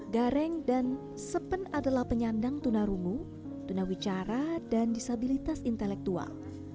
gareng dan sepen adalah penyandang tunarungu tunawicara dan disabilitas intelektual